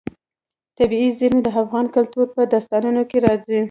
طبیعي زیرمې د افغان کلتور په داستانونو کې راځي.